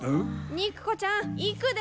肉子ちゃん行くで。